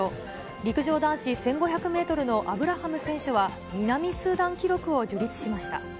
陸上男子１５００メートルのアブラハム選手は、南スーダン記録を樹立しました。